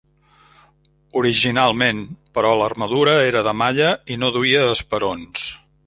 Originalment, però l’armadura era de malla i no duia esperons.